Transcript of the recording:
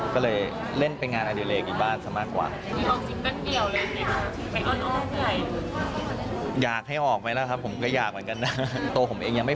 ก็เลยเกี่ยวกันกันด้วยก็เล่นไปงานได้เลยครับ